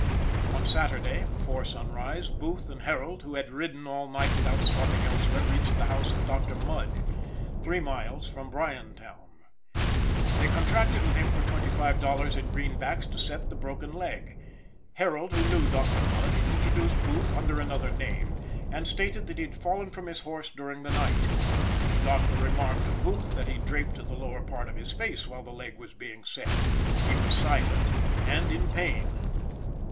On Saturday, before sunrise, Booth and Harold, who had ridden all night without stopping elsewhere, reached the house of Dr. Mudd, three miles from Bryantown. They contracted with him for twenty five dollars in greenbacks to set the broken leg. Harold, who knew Dr. Mudd, introduced Booth under another name, and stated that he had fallen from his horse during the night. The doctor remarked of Booth that he draped the lower part of his face while the leg was being set; he was silent, and in pain.